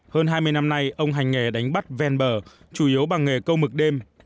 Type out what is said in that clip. hơn hai mươi năm nay ông hành nghề đánh bắt ven bờ chủ yếu bằng nghề câu mực đêm